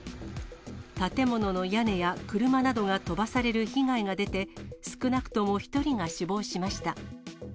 建物の屋根や車などが飛ばされる被害が出て、少なくとも１人が死亡しました。